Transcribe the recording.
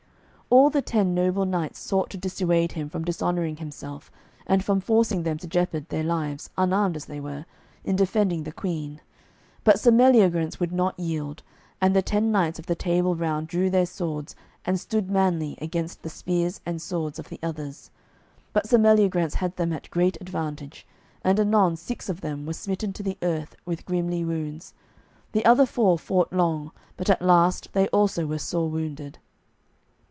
All the ten noble knights sought to dissuade him from dishonouring himself and from forcing them to jeopard their lives, unarmed as they were, in defending the Queen. But Sir Meliagrance would not yield, and the ten knights of the Table Round drew their swords and stood manly against the spears and swords of the others. But Sir Meliagrance had them at great advantage, and anon six of them were smitten to the earth with grimly wounds. The other four fought long, but at last they also were sore wounded.